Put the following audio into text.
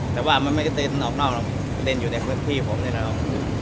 แต่ว่ามันไม่ตื่นออกนอกมันก็เดินอยู่ในพื้นที่ผมนี่นะครับ